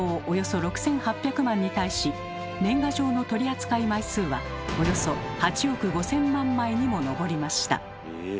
およそ６，８００万に対し年賀状の取り扱い枚数はおよそ８億５，０００万枚にも上りました。